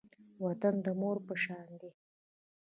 وطن د مور په شان دی